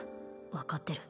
分かってる